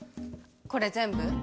これ全部？